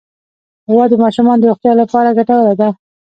غوا د ماشومانو د روغتیا لپاره ګټوره ده.